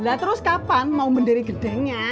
lah terus kapan mau mendiri gedengnya